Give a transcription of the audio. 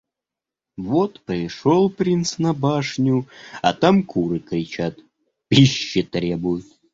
Вот пришёл принц на башню, а там куры кричат, пищи требуют.